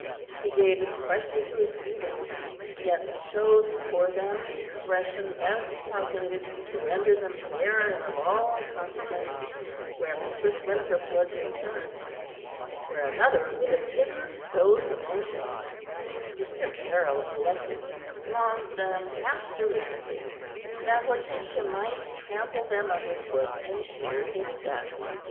He gave expression to his feelings, yet chose for them the expression best calculated to render them barren of all consequence where Mistress Winthrop was concerned. Where another would have hidden those emotions, Mr. Caryll elected to flaunt them half derisively, that Hortensia might trample them under foot in sheer disgust.